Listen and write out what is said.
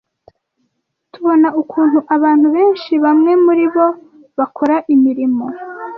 tubona ukuntu abantu benshi bamwe muri bo bakora imirimo